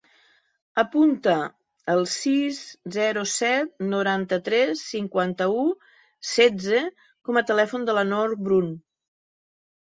Apunta el sis, zero, set, noranta-tres, cinquanta-u, setze com a telèfon de la Nor Brun.